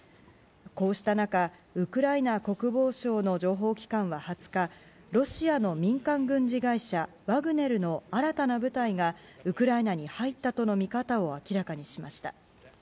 こうした中ウクライナ国防省の情報機関は２０日、ロシアの民間軍事会社ワグネルの新たな部隊がウクライナに入ったとの見方を明らかにしました。